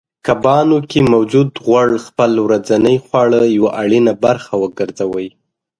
کبانو کې موجود غوړ خپل ورځنۍ خواړه یوه اړینه برخه وګرځوئ